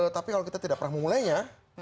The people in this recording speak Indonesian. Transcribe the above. tapi kalau kita tidak pernah memulainya